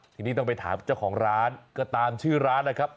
ทีนี้ต้องไปถามเจ้าของร้านก็ตามชื่อร้านนะครับ